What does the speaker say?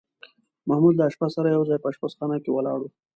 محمود له اشپز سره یو ځای په اشپزخانه کې ولاړ و.